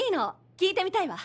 聴いてみたいわ。